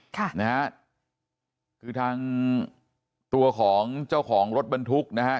คือทางตัวของเจ้าของรถบันทุกข์นะครับ